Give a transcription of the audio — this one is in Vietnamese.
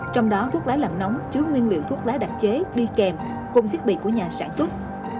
trong đó thuốc lá làm nóng chứa nguyên liệu thuốc lá đặc chế đi kèm cùng thiết bị của nhà sản xuất